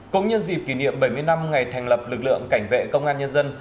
cũng nhân dịp kỷ niệm bảy mươi năm ngày thành lập lực lượng cảnh vệ công an nhân dân